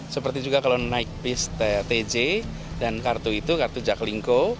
seperti juga kalau naik bis tj dan kartu itu kartu jaklingko